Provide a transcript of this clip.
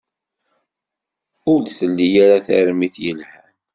Ur d-telli ara d tarmit yelhan.